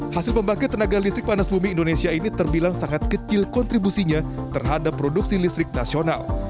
hasil pembangkit tenaga listrik panas bumi indonesia ini terbilang sangat kecil kontribusinya terhadap produksi listrik nasional